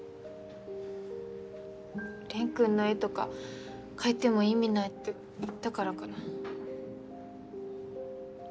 蓮君の絵とか描いても意味ないって言ったからかな。